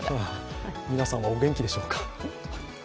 皆さんは、お元気でしょうか。